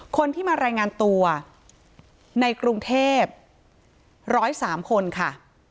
คนที่มารายงานตัวในกรุงเทพ๑๐๓คนค่ะ